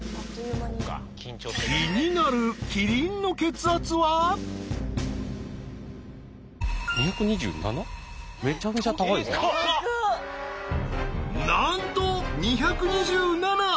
気になるなんと２２７！